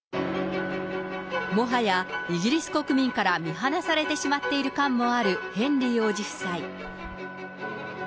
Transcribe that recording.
もはや、イギリス国民から見放されてしまっている感もあるヘンリー王子夫妻。